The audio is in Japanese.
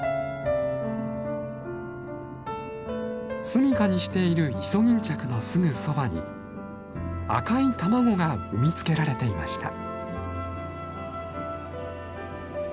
住みかにしているイソギンチャクのすぐそばに赤い卵が産み付けられていました。